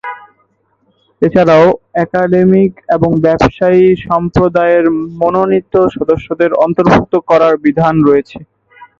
এছাড়াও একাডেমিক এবং ব্যবসায়ী সম্প্রদায়ের মনোনীত সদস্যদের অন্তর্ভুক্ত করার বিধান রয়েছে।